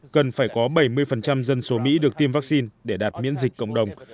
cần phải có bảy mươi dân số mỹ được tiêm vaccine để đạt miễn dịch cộng đồng